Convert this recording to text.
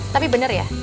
tapi bener ya